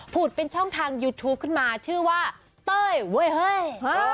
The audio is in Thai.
เป็นช่องทางยูทูปขึ้นมาชื่อว่าเต้ยเว้ยเฮ้ย